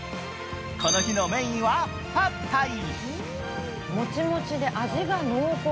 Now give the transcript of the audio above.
この日のメインはパッタイ。